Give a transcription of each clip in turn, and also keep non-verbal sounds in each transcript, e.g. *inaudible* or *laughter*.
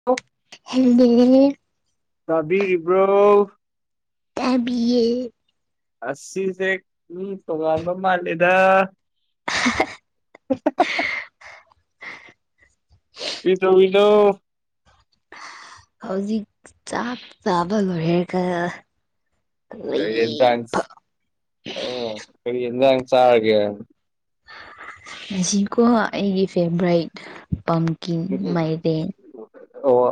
*unintelligible* *unintelligible* ꯇꯥꯕꯤꯔꯤꯕ꯭ꯔꯣ ꯇꯥꯕꯤꯌꯦ ꯑꯁꯤꯖꯦꯛ ꯃꯤ ꯇꯣꯉꯥꯟꯕ ꯃꯥꯜꯂꯤꯗ ꯀꯤꯗꯧꯔꯤꯅꯣ ꯍꯧꯖꯤꯛ ꯆꯥꯛ ꯆꯥꯕ ꯂꯣꯏꯔꯒꯥ ꯀꯔꯤ ꯌꯦꯟꯖꯥꯡ ꯑꯥ ꯀꯔꯤ ꯌꯦꯟꯖꯥꯡ ꯆꯥꯔꯒꯦ ꯑꯁꯤꯀꯣ ꯑꯩꯒꯤ ꯐꯦꯚꯔꯥꯏꯠ ꯄꯝꯀꯤꯟ ꯃꯥꯏꯔꯦꯟ ꯑꯣ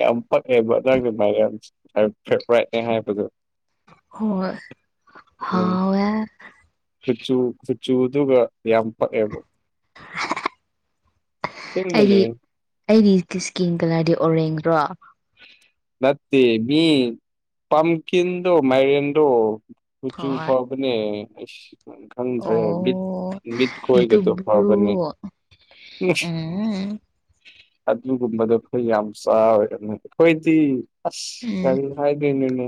ꯌꯥꯝ ꯄꯛꯑꯦ ꯕꯔꯥꯗꯔꯒꯥ ꯃꯥꯏꯔꯦꯟ ꯃꯥꯏ ꯐꯦꯚꯥꯔꯥꯏꯠꯅꯦ ꯍꯥꯏꯕꯗꯣ ꯍꯣꯏ ꯎꯝ ꯍꯥꯎꯋꯦ ꯀꯨꯆꯨ ꯀꯨꯆꯨꯗꯨꯒ ꯌꯥꯝ ꯄꯛꯑꯦꯕ ꯑꯩ ꯑꯁꯦꯡꯕꯅꯦ ꯑꯩꯗꯤ ꯏꯁꯀꯤꯟ ꯀꯂꯔꯗꯤ ꯑꯣꯔꯦꯟꯖ꯭ꯔꯣ ꯅꯠꯇꯦ ꯃꯤ ꯄꯝꯀꯤꯟꯗꯣ ꯃꯥꯏꯔꯦꯟꯗꯣ ꯀꯨꯆꯨ ꯍꯣꯏ ꯐꯕꯅꯦ ꯑꯩꯁ ꯅꯪ ꯈꯪꯗ꯭ꯔꯦ ꯑꯣ ꯃꯤꯠ ꯀꯣꯏꯒꯗꯣ ꯐꯕꯅꯦ ꯗꯨꯕ꯭ꯔꯨ *unintelligible* ꯑꯗꯨꯒꯨꯝꯕꯗꯣ ꯈꯔꯥ ꯌꯥꯝ ꯆꯒꯥꯗꯕꯥꯅꯤ ꯑꯩꯈꯣꯏꯗꯤ ꯑꯁ ꯎꯝ ꯀꯔꯤ ꯍꯥꯏꯗꯣꯏꯅꯣꯅꯦ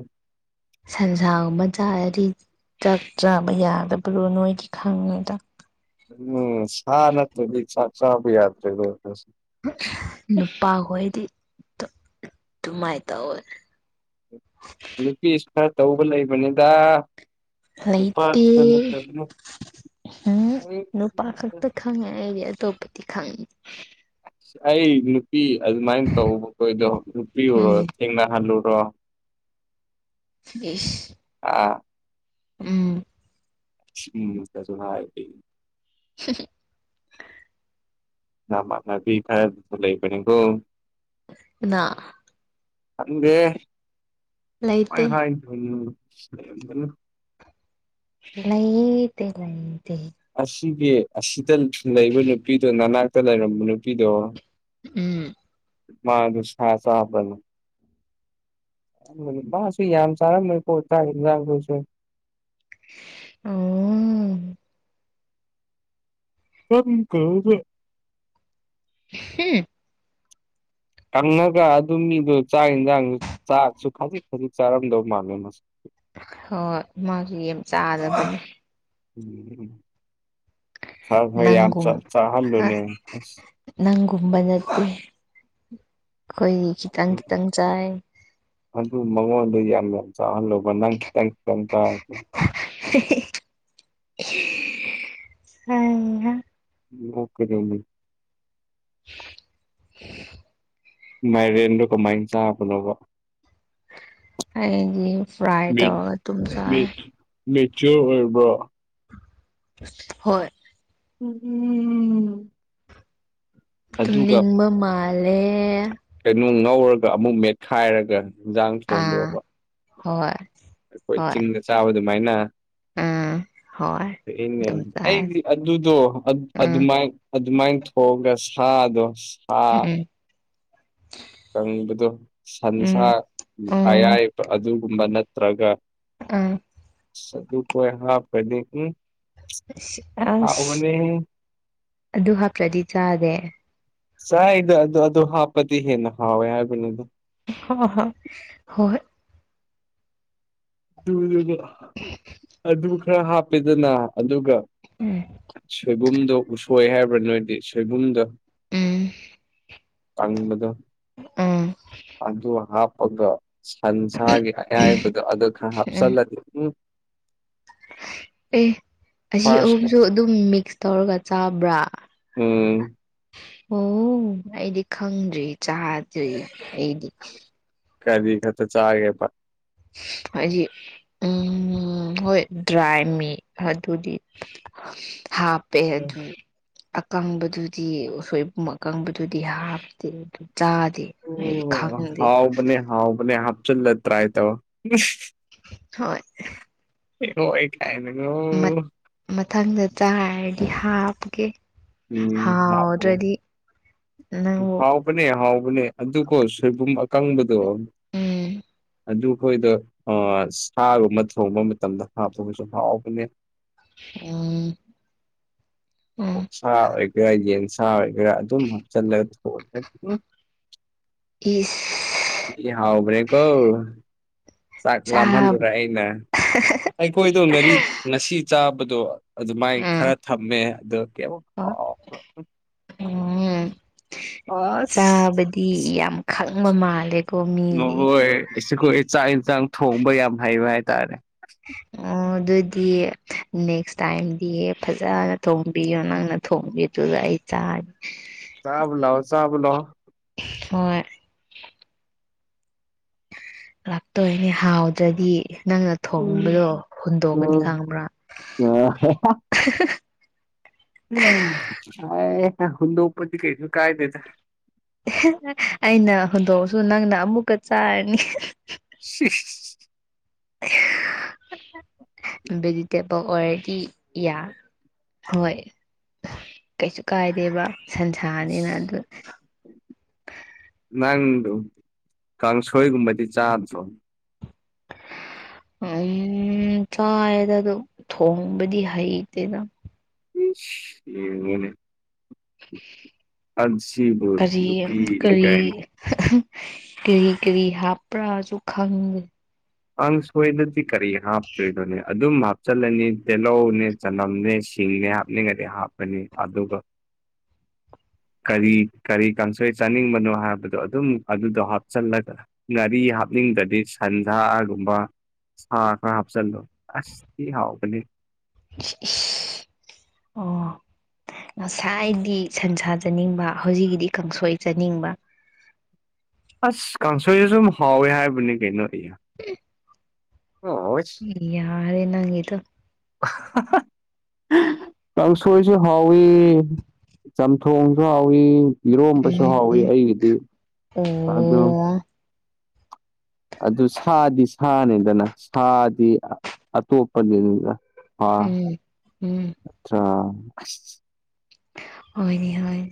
ꯁꯟꯁꯥꯒꯨꯝꯕ ꯆꯥꯔꯗꯤ ꯆꯥꯛ ꯆꯥꯕ ꯌꯥꯗꯕ꯭ꯔꯣ ꯅꯣꯏꯒꯤ ꯈꯪꯉꯦ ꯎꯝ ꯁꯥ ꯅꯠꯇꯥꯔꯗꯤ ꯆꯥꯛ ꯆꯥꯕꯥ ꯌꯥꯗꯔꯦ ꯅꯨꯄꯥꯍꯣꯏꯗꯤ ꯑꯗꯨꯃꯥꯏꯅ ꯇꯧꯋꯦ ꯅꯨꯄꯤꯁꯨ ꯈꯔ ꯇꯧꯕ ꯂꯩꯕꯅꯤꯗ ꯅꯨꯄꯥ ꯂꯩꯇꯦ ꯈꯛꯇ ꯅꯠꯇꯕꯅꯤ ꯎꯝ ꯅꯨꯄꯥ ꯈꯥꯛꯇꯥ ꯈꯪꯉꯦ ꯑꯩꯗꯤ ꯑꯇꯣꯞꯄꯗꯤ ꯈꯪ ꯑꯁ ꯑꯩ ꯅꯨꯄꯤ ꯑꯗꯨꯃꯥꯏꯅ ꯇꯧꯕ ꯈꯣꯏꯗꯣ ꯅꯨꯄꯤ ꯑꯣꯏꯔꯣ ꯎꯝ ꯊꯦꯡꯅꯍꯜꯂꯨꯔꯣ ꯏꯁ ꯑꯥ ꯎꯝ ꯎꯝ ꯒꯥꯁꯨ ꯍꯥꯏꯔꯤꯌꯦ *unintelligible* ꯅꯥꯃꯟꯅꯕꯤ ꯈꯔꯁꯨ ꯂꯩꯕ ꯅꯦꯀꯣ ꯀꯥꯅꯥ ꯈꯪꯗꯦ ꯀꯃꯥꯏ ꯂꯩꯇꯦ ꯍꯥꯏꯗꯣꯏꯅꯣ ꯀꯔꯝꯕꯥꯅꯣ ꯂꯩꯇꯦ ꯂꯩꯇꯦ ꯑꯁꯤꯒꯤ ꯑꯁꯤꯗ ꯂꯩꯕ ꯅꯨꯄꯤꯗꯣ ꯅꯅꯥꯛꯇ ꯂꯩꯔꯝꯕ ꯅꯨꯄꯤꯗꯣ ꯎꯝ ꯃꯥꯗꯨ ꯁꯥ ꯆꯕꯔꯥ ꯑꯗꯨꯒꯥ ꯅꯨꯄꯥꯁꯨ ꯌꯥꯝ ꯆꯥꯔꯝꯃꯣꯏꯀꯣ ꯆꯥꯛ ꯏꯟꯁꯥꯡꯗꯨꯁꯨ ꯎꯝ *unintelligible* ꯍꯨꯝ ꯀꯪꯉꯥꯒ ꯑꯗꯨꯃꯤꯗꯣ ꯆꯥꯛ ꯌꯦꯟꯁꯥꯡꯁꯨ ꯆꯥꯛꯁꯨ ꯈꯥꯖꯤꯛ ꯈꯥꯖꯤꯛ ꯆꯥꯔꯝꯗꯧ ꯃꯥꯜꯂꯦ ꯃꯥꯁꯨ ꯍꯣꯏ ꯃꯥꯁꯨ ꯌꯥꯝ ꯆꯥꯗꯕꯅꯦ *unintelligible* ꯈꯔ ꯈꯔ ꯌꯥꯝ ꯅꯪꯒꯨꯝ ꯆꯥꯍꯜꯂꯨꯅꯦ ꯑꯁ ꯅꯪꯒꯨꯝꯕ ꯅꯠꯇꯦ ꯑꯈꯣꯏꯗꯤ ꯈꯤꯇꯪ ꯈꯤꯇꯪ ꯆꯥꯏ ꯑꯗꯨ ꯃꯉꯣꯟꯗꯥꯗꯤ ꯌꯥꯝ ꯌꯥꯝ ꯆꯥꯍꯟꯂꯣꯕꯥ ꯅꯪ ꯈꯤꯇꯪ ꯈꯤꯇꯪ ꯆꯥꯎ *unintelligible* *unintelligible* *unintelligible* *unintelligible* ꯃꯥꯏꯔꯦꯟꯗꯣ ꯀꯃꯥꯏꯅ ꯆꯥꯕꯅꯣꯕ ꯑꯩꯗꯤ ꯐ꯭ꯔꯥꯏ ꯇꯧꯔꯒ ꯑꯗꯨꯝ ꯆꯥꯏ ꯃꯦꯆꯣꯔ ꯑꯣꯏꯔꯕ꯭ꯔꯣ ꯍꯣꯏ ꯎꯝ ꯎꯝ ꯑꯗꯨꯒ ꯅꯤꯡꯕ ꯃꯥꯂꯦ ꯀꯩꯅꯣ ꯉꯧꯔꯒ ꯑꯃꯨꯛ ꯃꯦꯠꯈꯥꯏꯔꯒ ꯌꯦꯟꯖꯥꯡ ꯑꯥ ꯊꯣꯡꯗ꯭ꯔꯣꯕ ꯍꯣꯏ ꯑꯩꯈꯣꯏ ꯍꯣꯏ ꯆꯤꯡꯗ ꯆꯥꯕ ꯑꯗꯨꯃꯥꯏꯅ ꯑꯥ ꯍꯣꯏ ꯅꯦ ꯑꯗꯨꯝ ꯆꯥꯏ ꯑꯩꯗꯤ ꯑꯗꯨꯗꯣ ꯎꯝ ꯑꯗꯨꯃ ꯑꯗꯨꯃꯥꯏꯅ ꯊꯣꯛꯑꯒ ꯁꯥꯗꯣ ꯁꯥ ꯎꯝ ꯀꯪꯕꯗꯣ ꯁꯟꯁꯥ ꯎꯝ ꯎꯝ ꯑꯌꯥꯏꯕ ꯑꯗꯨꯒꯨꯝꯕ ꯅꯠꯇ꯭ꯔꯒ ꯑꯝ ꯁꯗꯨ ꯀꯣꯏ ꯍꯥ ꯀꯗ ꯑꯁ ꯑꯁ ꯑꯗꯨ ꯍꯥꯄ꯭ꯔꯗꯤ ꯆꯗꯦ ꯁ ꯏ ꯑꯗꯨ ꯑꯗꯨ ꯍꯥꯄꯗꯤ ꯍꯦꯅ ꯍꯥꯎꯋꯥꯦ ꯌꯥꯒꯅ ꯑꯗꯨ ꯍ ꯍ ꯍꯣꯏ ꯑꯗꯨ ꯑꯗꯨ ꯈꯔ ꯍꯥꯞꯄꯦꯗꯅ ꯑꯗꯨꯒ ꯎꯝ ꯁꯣꯏꯕꯨꯝꯗꯣ ꯎꯁꯣꯏ ꯍꯥꯏꯕ꯭ꯔꯥ ꯅꯣꯏꯗꯤ ꯁꯣꯏꯕꯨꯝꯗꯣ ꯎꯝ ꯇꯪꯗ ꯎꯝ ꯑꯗꯨ ꯑꯗꯨ ꯍꯥꯄꯒ ꯁꯟꯁꯒꯦ ꯌꯥꯕꯗꯣ ꯑꯗꯨ ꯎꯝ ꯍꯥꯞꯁꯂꯗꯤ ꯎꯝ ꯑꯦ ꯑꯁꯤ ꯐꯥꯔꯁ ꯑꯍꯨꯝꯁꯨ ꯑꯗꯨꯝ ꯃꯤꯛꯁ ꯇꯧꯔꯒ ꯆꯥꯕ꯭ꯔꯥ ꯎꯝ ꯑꯣ ꯑꯩꯗꯤ ꯈꯪꯗ꯭ꯔꯤ ꯆꯥꯗ꯭ꯔꯤ ꯑꯩꯗꯤ ꯀꯔꯤ ꯈꯠꯇ ꯆꯥꯒꯦ ꯍꯥꯏꯗꯤ ꯎꯝ ꯍꯣꯏ ꯗ꯭ꯔꯥꯏ ꯃꯤ ꯑꯗꯨꯗꯤ ꯍꯥꯥ ꯄꯦꯖ ꯑꯀꯪꯕꯗꯨꯗꯤ ꯎꯁꯣꯏꯕꯨꯡ ꯑꯀꯪꯕꯗꯨꯗꯤ ꯍꯥꯞꯇꯦ ꯑꯗꯨ ꯆꯥꯗꯦ ꯑꯩꯗꯤ ꯈꯪꯗꯦ ꯍꯥꯎ ꯃꯅꯦ ꯍꯥꯞꯆꯜꯂ꯭ꯔꯥ ꯍꯥꯏ ꯇꯕ ꯍꯣꯏ ꯍꯣꯏ ꯀꯥꯏꯅꯦ ꯉ ꯃꯠ ꯃꯊꯪꯗ ꯆꯥꯔꯗꯤ ꯍꯥꯞꯀꯦ ꯍꯥ ꯎꯝ ꯍꯥꯞꯄꯣ ꯍꯗ꯭ꯔꯗꯤ ꯅꯪꯕꯨ ꯍꯕꯅꯦ ꯍꯥꯎꯕꯅꯦ ꯑꯗꯨꯣ ꯁꯣꯏꯕꯨꯝ ꯑꯀꯪꯕꯗꯣ ꯎꯝ ꯑꯗꯨ ꯑꯩꯈꯣꯏꯗ ꯁꯥꯒꯨꯝꯕ ꯊꯣꯡꯕ ꯃꯇꯝꯗ ꯍꯥꯞꯄꯒꯁꯨ ꯍꯥꯎꯕꯅꯦ ꯎꯝ ꯎꯝ ꯎꯁꯥ ꯑꯣꯏꯒꯦꯔꯥ ꯌꯦꯟꯁꯥ ꯑꯣꯏꯒꯦꯔꯥ ꯑꯗꯨꯝ ꯍꯥꯞꯆꯤꯜꯂꯒ ꯊꯑ ꯏ ꯏ ꯍꯥꯎꯕ꯭ꯔꯦ ꯀꯣ ꯆꯥꯛ ꯆꯥꯕ ꯂꯍꯜꯨꯔꯩꯅ ꯑꯩꯈꯣꯏꯗꯣ ꯉꯥꯔꯤ ꯉꯁꯤ ꯆꯥꯕꯗꯣ ꯑꯗꯨꯃꯥꯏꯅ ꯈꯔ ꯊꯝꯃꯦ ꯑꯗꯣ ꯀꯩ ꯑꯣ ꯎꯝ ꯑꯁ ꯆꯥ ꯁꯤ ꯌꯥꯝ ꯈꯪꯕ ꯃꯥꯜꯂꯦ ꯍ ꯍꯣꯏꯈꯣꯏ ꯆꯥꯛ ꯏꯟꯁꯥꯡ ꯊꯣꯡꯕ ꯌꯥꯝ ꯍꯩꯕ ꯍꯥꯏꯇꯥꯔꯦ ꯑꯣ ꯑꯗꯨꯗꯤ ꯅꯦꯛꯁ ꯇꯥꯏꯝꯗꯤ ꯐꯖꯅ ꯊꯣꯡꯕꯤꯌꯣ ꯅꯪꯅ ꯊꯣꯡꯕꯤꯗꯨꯗ ꯑꯩ ꯆꯔ ꯆꯥꯕ ꯂꯑꯣ ꯆꯥꯕ ꯂꯣꯑꯣ ꯍꯣꯏ ꯂꯥꯛꯇꯣꯏꯅꯦ ꯍꯥꯎꯗ꯭ꯔꯗꯤ ꯅꯪꯅ ꯎꯝ ꯊꯣꯡꯕꯗꯣ ꯍꯨꯟꯗꯣꯛꯀꯅꯤ ꯈꯪꯕ꯭ꯔꯥ ꯑꯣ ꯎꯝ ꯀ ꯍꯨ ꯂꯧꯄꯗꯤ ꯀ ꯀꯥꯏ ꯅꯇ ꯑꯩꯅ ꯍꯧꯗꯣꯛꯁꯨ ꯅꯪꯅ ꯑꯃꯨꯛꯀ ꯆꯥꯔꯅꯤ ꯁꯤ *unintelligible* ꯦꯖꯤꯇꯦꯕꯜ ꯑꯣꯏꯔꯗꯤ ꯏꯌꯥ ꯍꯣꯏ ꯀꯩꯁꯨ ꯀꯥꯏꯗꯦꯕ ꯁꯟꯁꯥꯅꯤꯅ ꯑꯗꯨ ꯅꯪꯗ ꯀꯥꯡꯁꯣꯏꯒꯨꯝꯕꯗꯤ ꯆꯥꯗ꯭ꯔꯣ ꯎꯝ ꯆꯥꯏꯗ ꯑꯝ ꯊꯣꯡꯕꯗꯤ ꯍꯩꯇꯦꯗ ꯃꯅꯦ ꯑꯁꯤꯕꯨ ꯀꯔꯤ ꯌ ꯀ ꯀꯔꯤ ꯀꯔꯤ ꯀꯔꯤ ꯍꯥꯞꯄ꯭ꯔꯥꯁꯨ ꯈꯪꯗꯦ ꯑꯪ ꯁꯣꯏꯗꯗꯤ ꯀꯔꯤ ꯍꯥꯞꯇꯣꯏꯅꯣꯅꯦ ꯑꯗꯨꯝ ꯍꯥꯞꯆꯜꯂꯅꯤ ꯇꯤꯜꯍꯧꯅꯦ ꯆꯅꯝꯅꯦ ꯁꯤꯡꯅꯦ ꯍꯥꯞꯂꯤꯉꯗꯤ ꯍꯥꯞꯄꯅꯤ ꯑꯗꯨꯒ ꯀꯔꯤ ꯀꯔꯤ ꯀꯥꯡꯁꯣꯏ ꯆꯥꯅꯤꯡꯕꯅꯣ ꯍꯥꯏꯕꯗꯣ ꯑꯗꯨꯝ ꯑꯗꯨꯗꯣ ꯍꯥꯞꯆꯜꯂꯒ ꯉꯥꯔꯤ ꯍꯥꯞꯅꯤꯡꯗ꯭ꯔꯗꯤ ꯁꯟꯁꯥꯒꯨꯝꯕ ꯍꯥ ꯈꯔ ꯍꯥꯞꯁꯜ ꯑꯁ ꯍꯥꯎꯕꯒ ꯏꯁ ꯏꯁ ꯑꯣ ꯑꯣ ꯉꯁꯥꯏꯗꯤ ꯁꯟꯁꯥ ꯆꯥꯅꯤꯡꯕ ꯍꯧꯖꯤꯛꯀꯤꯗꯤ ꯀꯥꯡꯁꯣꯏ ꯆꯥꯅꯤꯡꯕ ꯑꯁ ꯀꯥꯡꯁꯣꯏꯁꯨ ꯁꯨꯝ ꯍꯥꯎꯋꯦ ꯍꯥꯏꯕꯅꯤ ꯀꯩꯅꯣ ꯑꯩ ꯍꯨꯝ *unintelligible* ꯌꯥꯍꯔꯦ ꯅꯪꯒꯤꯗꯨ ꯑꯍ ꯍꯥ ꯍꯥ ꯀꯥꯡꯁꯣꯏꯁꯨ ꯍꯥꯎꯋꯤ ꯆꯝꯊꯣꯡꯁꯨ ꯍꯥꯎꯋꯤ ꯏꯔꯣꯝꯕꯁꯨ ꯍꯥꯎꯋꯤ ꯎꯝ ꯑꯩꯒꯤꯗꯤ ꯑꯣ ꯑ ꯑꯗꯨꯝ ꯑꯗꯨ ꯁꯥꯗꯤ ꯁꯥꯅꯤꯗꯅ ꯁꯥꯗꯤ ꯑ ꯑꯇꯣꯞꯄꯗꯨꯅꯤꯗ ꯎꯝ ꯎꯝ ꯅꯠꯇ꯭ꯔꯥ ꯑꯁ ꯍꯣꯏꯅꯦ ꯍꯣꯏ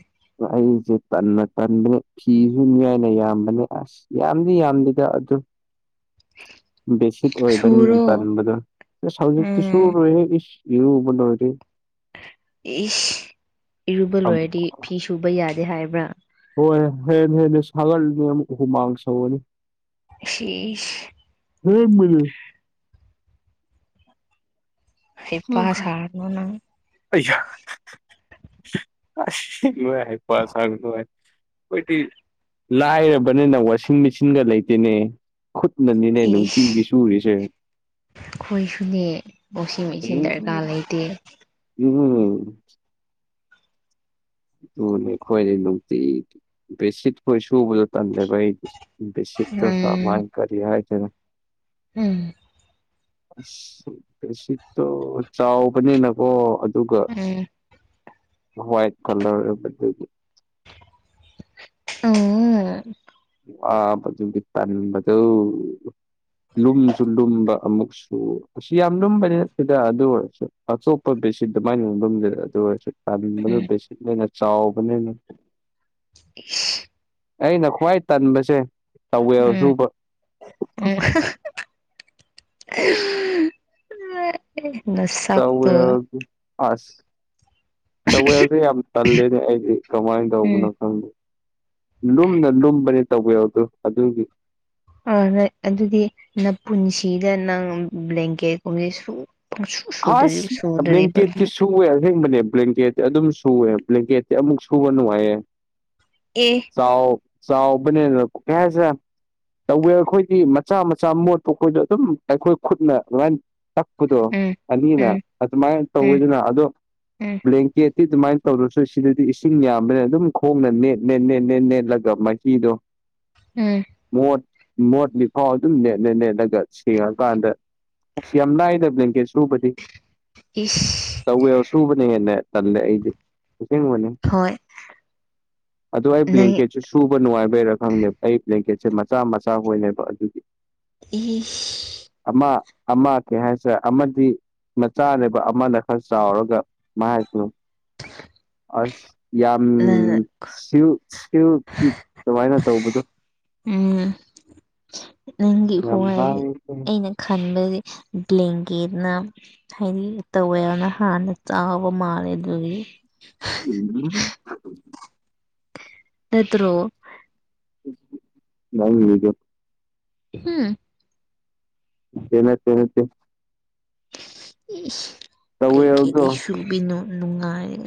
ꯑꯩꯁꯦ ꯇꯟꯅ ꯇꯟꯕꯅꯦ ꯐꯤ ꯁꯨꯅꯤꯡꯉꯥꯏꯅ ꯌꯥꯝꯕꯅꯦ ꯑꯁ ꯌꯥꯝꯗꯤ ꯌꯥꯝꯗꯤꯗ ꯑꯗꯨ ꯕꯦꯁꯤꯛ ꯑꯣꯏꯕꯅꯤꯅ ꯁꯨꯔꯣ ꯇꯟꯕꯗꯨ ꯑꯁ ꯍꯧꯖꯤꯛꯇꯤ ꯎꯝ ꯁꯨꯔꯣꯏꯍꯦ ꯏꯁ ꯏꯔꯨꯕ ꯂꯣꯏꯔꯤ ꯏꯁ ꯏꯔꯨꯕ ꯂꯣꯏꯔꯗꯤ ꯐꯤ ꯁꯨꯕ ꯌꯥꯗꯦ ꯍꯥꯏꯕ꯭ꯔꯥ ꯍꯣꯏ ꯍꯦꯟꯅ ꯍꯦꯟꯅ ꯁꯥꯒꯠꯂꯅꯤ ꯑꯃꯨꯛ ꯍꯨꯃꯥꯡ ꯁꯧꯒꯅꯤ ꯁꯤ ꯏꯁ ꯑꯁꯦꯡꯕꯅꯤ ꯍꯩꯄꯥ ꯁꯥꯔꯅꯨ ꯅꯪ ꯑꯩꯌꯥ ꯍ ꯍ ꯑꯁꯦꯡꯕ ꯍꯩꯄꯥ ꯁꯥꯒꯅꯨ ꯍꯥꯏ ꯀꯣꯏꯗꯤ ꯂꯥꯏꯔꯕꯅꯤꯅ ꯋꯥꯁꯤꯡ ꯃꯦꯆꯤꯟꯒ ꯂꯩꯇꯦꯅꯦ ꯈꯨꯠꯅꯅꯤꯅꯦ ꯏꯁ ꯅꯨꯡꯇꯤꯒꯤ ꯁꯨꯔꯤꯁꯦ ꯑꯩꯈꯣꯏꯁꯨꯅꯦ ꯋꯥꯁꯤꯡ ꯃꯦꯆꯤꯟ ꯗꯔꯀꯥꯔ ꯎꯝ ꯂꯩꯇꯦ ꯎꯝ ꯑꯗꯨꯨꯅꯦ ꯑꯩꯈꯣꯏꯗꯤ ꯅꯨꯡꯇꯤ ꯕꯦꯠꯁꯤꯠ ꯈꯣꯏ ꯁꯨꯕꯗꯣ ꯇꯟꯂꯦꯕ ꯑꯩꯗꯤ ꯕꯦꯠꯁꯤꯠꯇꯣ ꯎꯝ ꯀꯃꯥꯏ ꯀꯔꯤ ꯍꯥꯏꯗꯣꯏꯅꯣ ꯎꯝ ꯕꯦꯠꯁꯤꯠꯇꯣ ꯆꯥꯎꯕꯅꯤꯅꯀꯣ ꯑꯗꯨꯒ ꯎꯝ ꯋꯥꯏꯠ ꯀꯂꯔ *unintelligible* ꯎꯝ ꯑꯥ ꯐꯖꯕꯤ ꯇꯟꯕꯗꯨ ꯂꯨꯝꯁꯨ ꯂꯨꯝꯕ ꯑꯃꯨꯛꯁꯨ ꯑꯁ ꯌꯥꯝ ꯂꯨꯝꯕꯗꯤ ꯅꯠꯇꯦꯗ ꯑꯗꯨ ꯑꯣꯏꯔꯁꯨ ꯑꯆꯣꯞꯄ ꯕꯦꯠꯁꯤꯠ ꯑꯗꯨꯃꯥꯏꯅ ꯂꯨꯝꯕꯝ ꯂꯩꯔꯣꯏ ꯑꯗꯨ ꯑꯣꯏꯔꯁꯨ ꯇꯟꯕꯗꯣ ꯎꯝ ꯕꯦꯠꯁꯤꯠꯅ ꯍꯦꯟꯅ ꯆꯥꯎꯕꯅꯤꯅ ꯏꯁ ꯑꯩꯅ ꯈ꯭ꯋꯥꯏ ꯇꯟꯕꯁꯦ ꯇꯧꯋꯦꯜ ꯁꯨꯕ ꯑꯣ ꯍ *unintelligible* *unintelligible* ꯇꯧꯋꯦꯜꯗꯨ ꯑꯁ ꯇꯧꯋꯦꯜꯗꯨ ꯌꯥꯝ ꯇꯜꯂꯦꯅꯦ ꯑꯩꯗꯤ ꯀꯃꯥꯏꯅ ꯇꯧꯕꯅꯣ ꯎꯝ ꯈꯪꯗꯦ ꯂꯨꯝꯅ ꯂꯨꯝꯕꯅꯦ ꯇꯧꯋꯦꯜꯗꯨ ꯑꯗꯨꯒꯤ ꯍꯣꯏ ꯍꯣꯏ ꯑꯗꯨꯗꯤ ꯅꯄꯨꯟꯁꯤꯗ ꯅꯪ ꯕ꯭ꯂꯦꯡꯀꯦꯠꯀꯨꯝꯕꯗꯤ ꯁꯨ ꯄꯪꯁꯨ ꯁꯨꯗ꯭ꯔꯤ ꯑꯥꯁ ꯁꯨꯗ꯭ꯔꯤꯕ ꯕ꯭ꯂꯦꯡꯀꯦꯠꯇꯤ ꯑꯗꯨꯗꯤ ꯁꯨꯋꯦ ꯑꯁꯦꯡꯕꯅꯦ ꯕ꯭ꯂꯦꯡꯀꯦꯠ ꯑꯗꯨꯝ ꯁꯨꯋꯦ ꯕ꯭ꯂꯦꯡꯀꯦꯠꯇꯤ ꯑꯃꯨꯛ ꯁꯨꯕ ꯅꯨꯡꯉꯥꯏꯌꯦ ꯑꯦ ꯆꯥꯎ ꯆꯥꯎꯕꯅꯤꯅ ꯀꯩ ꯍꯥꯏꯁꯦꯔ ꯇꯧꯋꯦ ꯑꯩꯈꯣꯏꯗꯤ ꯃꯆꯥ ꯃꯆꯥ ꯃꯣꯠꯄ ꯈꯣꯏꯗꯣ ꯑꯗꯨꯝ ꯑꯩꯈꯣꯏ ꯈꯨꯠꯅ ꯑꯗꯨꯃꯥꯏꯅ ꯇꯛꯄꯗꯣ ꯎꯝ ꯑꯅꯤꯅ ꯎꯝ ꯑꯗꯨꯃꯥꯏꯅ ꯎꯝ ꯇꯧꯋꯤꯗꯅ ꯑꯗꯣ ꯎꯝ ꯕ꯭ꯂꯦꯡꯀꯦꯠ ꯀꯤ ꯑꯗꯨꯃꯥꯏꯅ ꯇꯧꯔꯁꯨ ꯁꯤꯗꯗꯤ ꯏꯁꯤꯡ ꯌꯥꯝꯕꯅꯤꯅ ꯑꯗꯨꯝ ꯈꯣꯡꯅ ꯅꯦꯠ ꯅꯦꯠ ꯅꯦꯠ ꯅꯦꯠ ꯅꯦꯠꯂꯒ ꯃꯍꯤꯗꯣ ꯎꯝ ꯃꯣꯠ ꯃꯣꯠ ꯂꯤꯐꯥꯎ ꯑꯗꯨꯝ ꯅꯦꯠ ꯅꯦꯠ ꯅꯦꯠꯂꯒ ꯁꯦꯡꯉꯀꯥꯟꯗ ꯑꯁ ꯌꯥꯝ ꯂꯥꯢꯗꯥ ꯕ꯭ꯂꯦꯡꯀꯦꯠ ꯁꯨꯕꯗꯤ ꯏꯁ ꯇꯧꯋꯦꯜ ꯁꯨꯕꯅ ꯍꯦꯟꯅ ꯇꯜꯂꯦ ꯑꯩꯗꯤ ꯑꯁꯦꯡꯕꯅꯤ ꯍꯣꯏ ꯑꯗꯣ ꯑꯩ ꯅꯪ ꯕ꯭ꯂꯦꯡꯀꯦꯠ ꯁꯨ ꯁꯨꯕ ꯅꯨꯡꯉꯥꯏꯕꯩꯔꯥ ꯈꯪꯗꯦ ꯑꯩ ꯕ꯭ꯂꯦꯡꯀꯦꯠꯁꯦ ꯃꯆꯥ ꯃꯆꯥ ꯍꯣꯏꯅꯦꯕ ꯑꯗꯨꯒꯤ ꯏꯁ ꯑꯃꯥ ꯑꯃꯥ ꯀꯩ ꯍꯥꯏꯁꯤꯔꯥ ꯑꯃ ꯐꯤ ꯃꯆꯥꯅꯦꯕ ꯑꯃꯅ ꯈꯔ ꯆꯥꯎꯔꯒ ꯃꯥꯏꯇꯣ ꯑꯁ ꯌꯥꯝ ꯅꯪ ꯁꯤꯜ ꯁꯤꯜꯀꯤ ꯑꯗꯨꯃꯥꯏꯅ ꯇꯧꯕꯗꯣ ꯎꯝ ꯅꯪꯒꯤ ꯌꯥꯝ ꯈ꯭ꯋꯥꯏꯁꯤ ꯑꯩꯅ ꯈꯟꯕꯗꯤ ꯕ꯭ꯂꯦꯡꯒꯦꯠꯅ ꯍꯥꯏꯗꯤ ꯇꯧꯋꯦꯜꯅ ꯍꯥꯟꯅ ꯆꯥꯎꯕ ꯃꯥꯜꯂꯦ ꯑꯗꯨꯒꯤ *unintelligible* ꯅꯠꯇ꯭ꯔꯣ ꯅꯪꯒꯤꯗꫭ ꯍꯨ *unintelligible* ꯏꯁ ꯇꯋꯦꯜꯗꯣ ꯕ꯭ꯂꯦꯡꯒꯦꯠꯇꯤ ꯁꯨꯕꯤꯅꯣ ꯅꯨꯡꯉꯥꯏꯔꯦ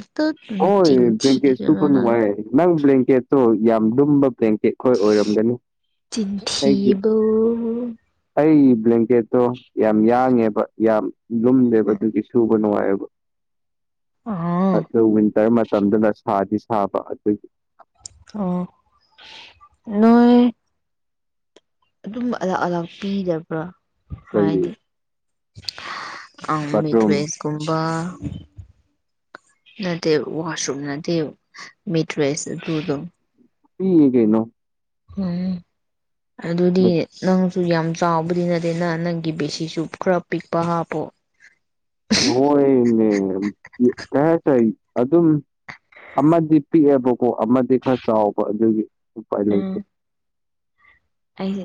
ꯍꫭꯏ ꯕ꯭ꯂꯦꯡꯀꯦꯠ ꯁꯨꯕ ꯅꯨꯡꯉꯥꯏ ꯅꯪ ꯕ꯭ꯂꯦꯡꯀꯦꯠꯇꯣ ꯌꯥꯝꯅ ꯂꯨꯝꯕ ꯕ꯭ꯂꯦꯡꯀꯦꯠ ꯈꯣꯏ ꯑꯣꯏꯔꯝꯒꯅꯤ ꯑꯩꯒꯤ ꯆꯤꯟꯊꯤꯕ ꯑꯩ ꯕ꯭ꯂꯦꯡꯀꯦꯠꯇꯣ ꯌꯥꯝꯅ ꯌꯥꯡꯉꯦꯕ ꯌꯥꯝꯅ ꯂꯨꯝꯗꯦꯕ ꯑꯗꯨꯒꯤ ꯁꯨꯕ ꯅꯨꯡꯉꯥꯏꯌꯦꯕ ꯑꯥ ꯑꯗꫭ ꯋꯤꯟꯇꯔ ꯃꯇꯝꯗꯅ ꯁꯥꯗꯤ ꯁꯥꯕ ꯑꯗꯨꯒꯤ ꯑꯣ ꯅꯣꯏ ꯑꯗꯨꯝꯕ ꯑꯂꯥꯛ ꯑꯂꯥꯛ ꯄꯤꯗꯕ꯭ꯔꯥ ꯀꯔꯤ ꯍꯥꯏꯗꯤ ꯑꯥꯎ ꯕꯥꯠꯔꯨꯝ ꯃꯤꯠꯇ꯭ꯔꯦꯁ ꯀꯨꯝꯕ ꯅꯠꯇꯦ ꯋꯥꯁꯔꯨꯝ ꯅꯠꯇꯦ ꯃꯦꯇ꯭ꯔꯦꯁ ꯑꯗꯨꯗꯣ ꯄꯤꯌꯦ ꯀꯩꯅꯣ ꯎꯝ ꯑꯗꯨꯗꯤ ꯅꯪꯁꯨ ꯌꯥꯝ ꯆꯥꯎꯕꯗꯤ ꯅꯠꯇꯦꯗꯅ ꯅꯪꯒꯤ ꯕꯦꯁꯤꯁꯨ ꯈꯔ ꯄꯤꯛꯄ ꯍꯥꯞꯄꯣ ꯍꯣꯏꯅꯦꯃꯤ ꯀꯩꯍꯥꯏꯇꯥꯔ ꯑꯗꯨꯝ ꯑꯃꯥꯗꯤ ꯄꯤꯛꯑꯦꯕꯀꯣ ꯑꯃꯗꯤ ꯈꯔ ꯆꯥꯎꯕ ꯑꯗꯨꯒꯤ ꯎꯄꯥꯏ ꯂꯩꯇꯦ ꯎꯝ ꯑꯩ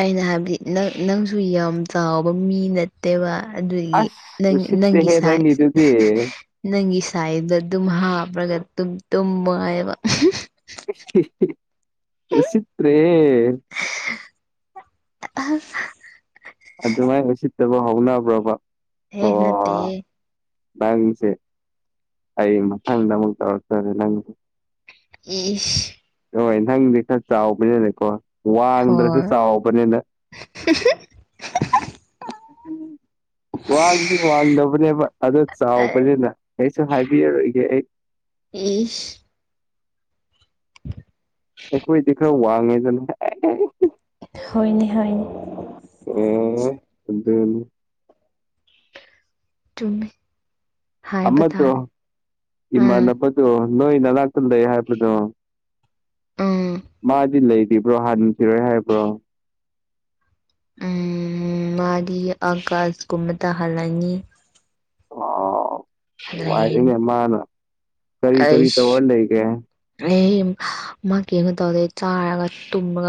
ꯑꯩꯅ ꯍꯥꯏꯕꯗꯤ ꯅꯪ ꯅꯪꯁꯨ ꯌꯥꯝ ꯆꯥꯎꯕ ꯃꯤ ꯅꯠ ꯇꯦꯕ ꯑꯗꯨꯒꯤ ꯑꯁ ꯅꯪ ꯅꯪꯒꯤ ꯎꯁꯤꯠꯇꯦꯍꯦ ꯁꯥꯏꯖ ꯅꯪꯒꯤꯗꯨꯗꯤ ꯅꯪꯒꯤ ꯁꯥꯏꯗ ꯑꯗꯨꯝ ꯍꯥꯞꯄꯒ ꯇꯨꯝ ꯇꯨꯝꯃꯣ ꯍꯥꯏꯕ ꯎꯁꯤꯠꯇ꯭ꯔꯦꯍꯦ ꯑꯍ *unintelligible* ꯑꯗꯨꯃꯥꯏꯅ ꯎꯁꯤꯠꯇꯥꯕ ꯍꯧꯅꯕ꯭ꯔꯕ ꯍ ꯅꯠꯇꯦꯍꯦ ꯑꯣ ꯅꯪꯁꯦ ꯑꯩ ꯃꯊꯪꯗ ꯑꯃꯨꯛ ꯇꯧꯔꯛꯇ꯭ꯔꯗꯤ ꯅꯪ ꯏꯁ ꯍꯣꯏ ꯅꯪꯗꯤ ꯈꯔ ꯆꯥꯎꯕꯅꯤꯅꯥꯀꯣ ꯋꯥꯡꯗ꯭ꯔꯁꯨ ꯍꯣꯏ ꯆꯥꯎꯕꯅꯤꯅꯀꫭ ꯋꯥꯡꯗꯤ ꯋꯥꯡꯗꯕꯅꯦꯕ ꯑꯗꯨ ꯑꯦ ꯆꯥꯎꯕꯅꯤꯅ ꯀꯩꯁꯨ ꯍꯥꯏꯕꯤꯔꯔꯣꯏꯒꯦ ꯑꯩ ꯏꯁ *inaudible* ꯑꯩꯈꯣꯏꯗꯤ ꯈꯔꯥ ꯋꯥꯡꯉꯦꯗꯅ ꯍꯣꯏꯅꯦ ꯍꯣꯏꯅꯦ ꯑ ꯑꯗꯨꯅꯤ ꯆꯨꯝꯃꯦ ꯍꯥꯏꯕ ꯑꯃꯗꯣ ꯇꯥꯔꯦ ꯎꯝ ꯏꯃꯥꯟꯅꯕ ꯗꯣ ꯅꯣꯏ ꯅꯅꯥꯛꯇ ꯂꯩ ꯍꯥꯏꯕꯗꯣ ꯎꯝ ꯃꯥꯗꯤ ꯂꯩ ꯕ꯭ꯔꯣ ꯍꯥꯟꯈꯤꯔꯣꯏ ꯍꯥꯏꯕ꯭ꯔꯣ ꯎꯝ ꯃꯥꯗꯤ ꯑꯥꯒꯁꯀꯨꯝꯕꯗ ꯍꯜꯂꯅꯤ ꯑꯣ ꯂꯩꯔꯅꯤ *unintelligible* ꯃꯥꯅ ꯀꯔꯤ ꯀꯔꯤ ꯇꯧꯔ ꯂꯩꯒꯦ ꯑꯦ ꯃꯥ ꯀꯩꯝ ꯇꯧꯗꯦ ꯆꯥꯔꯒ ꯇꯨꯝꯔꯒ